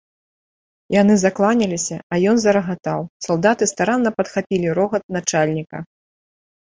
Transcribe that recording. Яны закланяліся, а ён зарагатаў, салдаты старанна падхапілі рогат начальніка.